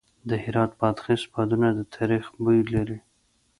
د هرات بادغیس بادونه د تاریخ بوی لري.